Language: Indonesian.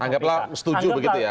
anggaplah setuju begitu ya